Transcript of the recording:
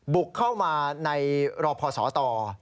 บุกเข้ามาในรอพอสต